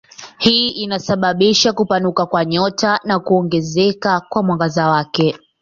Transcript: Hii inasababisha kupanuka kwa nyota na kuongezeka kwa mwangaza wake.